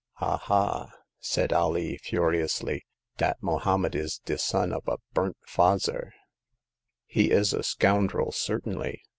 Aha !" said Alee, furiously, dat Mohommed is de son ob a burnt fazzer !"He is a scoundrel certainly